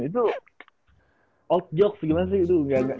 itu old joks gimana sih itu nggak gue banget